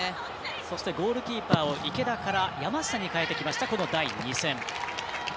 そしてゴールキーパーを池田から山下に代えてきました第２戦。